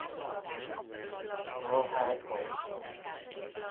Stuart High School.